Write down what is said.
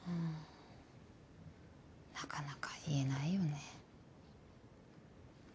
なかなか言えないよね。